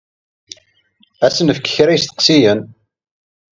Ad d-nefk kra n yisteqsiyen.